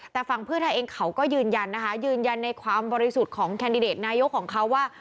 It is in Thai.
แต่ฝั่งเพื่อไทยเองเขาก็ยืนยันนะคะยืนยันในความบริสุทธิ์ของแคนดิเดตนายกของเขาว่า